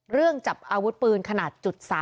เรื่องจับอวุธปืนขนาด๓๘